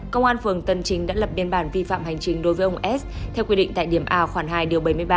công an phường tân chính đã lập biên bản vi phạm hành chính đối với ông s theo quy định tại điểm a khoảng hai điều bảy mươi ba